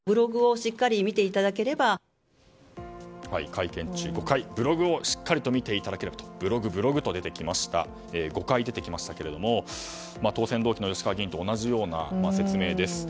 会見中、５回、ブログをしっかり見ていただければとブログ、ブログと５回出てきましたが当選同期の吉川議員と同じような説明です。